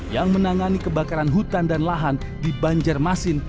yang menangani kebakaran hutan dan lahan di banjarmasin